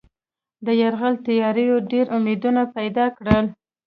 د یرغل تیاریو ډېر امیدونه پیدا کړل.